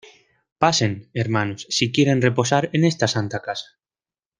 pasen, hermanos, si quieren reposar en esta santa casa.